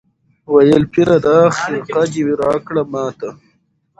ویل پیره دا خرقه دي راکړه ماته